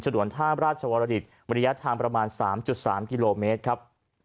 สถวรรธาปราชาวราธิตย์บริยาทางประมาณสามจุดสามคิโลเมตรครับ